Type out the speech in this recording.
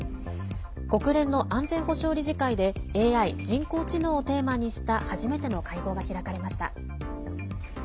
国連の安全保障理事会でＡＩ＝人工知能をテーマにした初めての会合が開かれました。